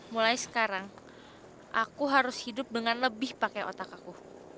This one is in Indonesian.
mulai sekarang aku harus hidup dengan lebih pakai otak aku